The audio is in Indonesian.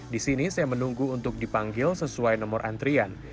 di sini saya menunggu untuk dipanggil sesuai nomor antrian